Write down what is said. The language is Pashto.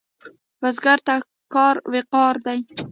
بزګر ته کار وقار دی